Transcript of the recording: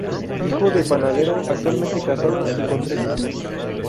Hijo de panadero, actualmente casado y con tres hijos.